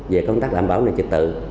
về công tác làm bảo nền trật tự